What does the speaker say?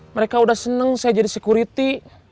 mereka udah seneng saya jadi security